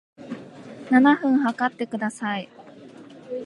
七分測ってください